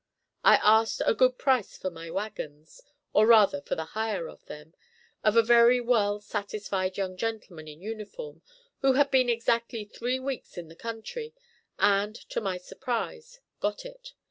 I asked a good price for my wagons, or rather for the hire of them, of a very well satisfied young gentleman in uniform who had been exactly three weeks in the country, and, to my surprise, got it.